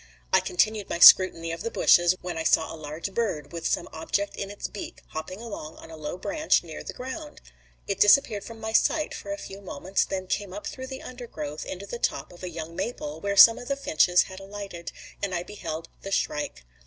I continued my scrutiny of the bushes, when I saw a large bird, with some object in its beak, hopping along on a low branch near the ground. It disappeared from my sight for a few moments, then came up through the undergrowth into the top of a young maple where some of the finches had alighted, and I beheld the shrike.